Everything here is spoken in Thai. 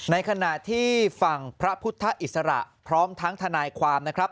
ในขณะที่ฝั่งพระพุทธอิสระพร้อมทั้งทนายความนะครับ